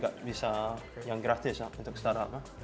jadi masing masing dari sisi kita kita bisa berikan